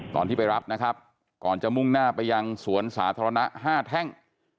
ตอนที่ไปรับนะครับก่อนจะมุ่งหน้าไปยังสวนสาธารณะ๕แท่ง